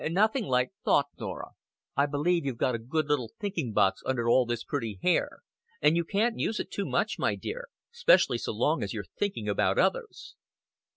"Nothing like thought, Norah. I believe you've got a good little thinking box under all this pretty hair, and you can't use it too much, my dear specially so long as you're thinking about others."